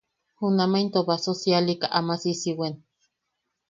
Junama into baso sialika ama sissiwen.